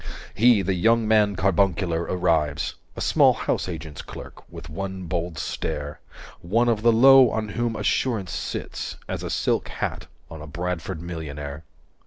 230 He, the young man carbuncular, arrives, A small house agent's clerk, with one bold stare, One of the low on whom assurance sits As a silk hat on a Bradford millionaire.